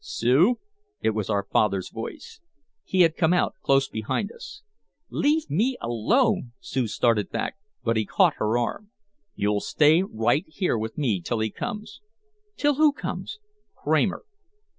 "Sue?" It was our father's voice. He had come out close behind us. "Leave me alone!" Sue started back, but he caught her arm: "You'll stay right here with me till he comes." "Till who comes?" "Kramer."